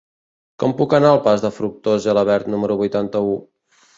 Com puc anar al pas de Fructuós Gelabert número vuitanta-u?